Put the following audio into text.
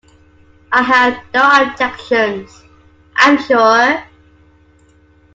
I have no objections, I’m sure.